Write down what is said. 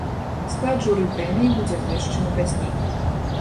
Склад журы прэміі будзе абвешчаны пазней.